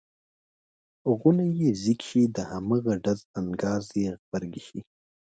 غونی یې ځیږ شي د هماغه ډز انګاز یې غبرګې شي.